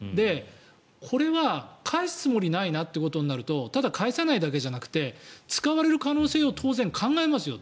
これは返すつもりがないなということになるとただ、返さないだけじゃなくて使われる可能性を考えますよ。